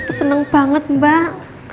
tapi masih ada yang menunggu siang